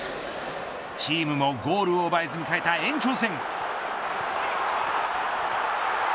チームもゴールを奪えず迎えた延長戦。